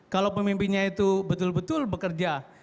kalau pemimpinnya itu betul betul bekerja